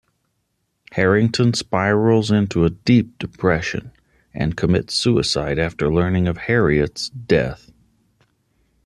Harrington spirals into a deep depression and commits suicide after learning of Harriot's death.